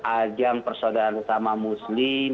ajang persaudaraan bersama muslim